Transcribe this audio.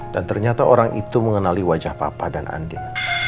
dan ternyata orang itu mengenali wajah papa dan andin